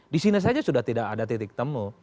disini saja sudah tidak ada titik temu